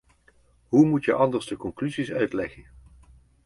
Hoe moet je anders de conclusies uitleggen?